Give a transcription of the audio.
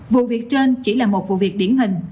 vụ việc trên chỉ là một vụ việc điển hình